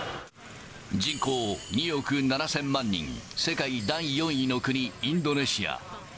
人口２億７０００万人、世界第４位の国、インドネシア。